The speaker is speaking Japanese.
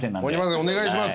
お願いします。